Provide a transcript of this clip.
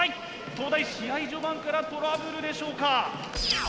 東大試合序盤からトラブルでしょうか？